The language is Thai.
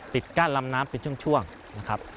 ก้านลำน้ำเป็นช่วงนะครับ